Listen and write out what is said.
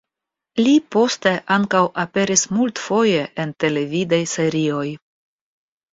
Li poste ankaŭ aperis multfoje en televidaj serioj.